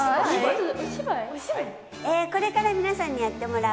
これから皆さんにやってもらう